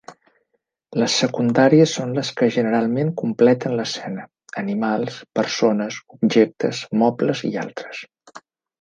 Les secundàries són les que generalment completen l’escena; animals, persones, objectes, mobles i altres.